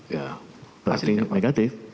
ya berarti negatif